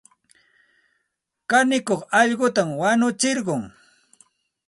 Kanikuq allquta wanutsirqan.